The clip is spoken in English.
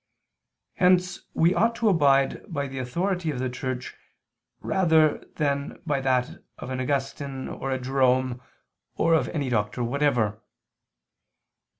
Hence we ought to abide by the authority of the Church rather than by that of an Augustine or a Jerome or of any doctor whatever.